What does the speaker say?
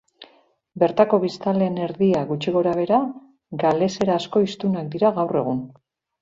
Bertako biztanleen erdia gutxi gora-behera galeserazko hiztunak dira gaur egun.